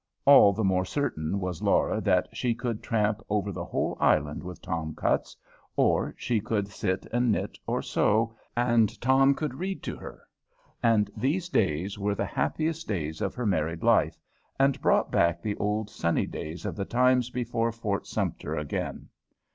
All the more certain was Laura that she could tramp over the whole island with Tom Cutts, or she could sit and knit or sew, and Tom could read to her, and these days were the happiest days of her married life, and brought back the old sunny days of the times before Fort Sumter again.